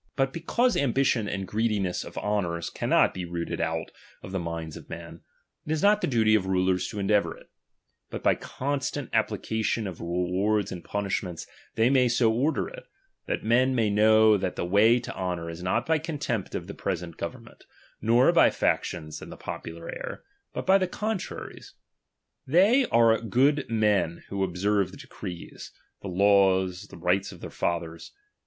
But because ambition and greediness of honours cannot be rooted out of the minds of men, it is not the duty of rulers to endeavour it ; but by constant application of rewards and punishments they may so order it, that men may know that the way to honour is not by contempt of the present govern ment, nor by factions and the popular air, but by the contraries. They are good men who observe the decrees, the laws, and rights of their fathers.